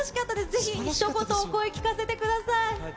ぜひひと言、お声聞かせてください。